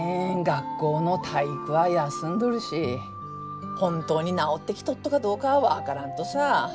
学校の体育は休んどるし本当に治ってきとっとかどうかは分からんとさ。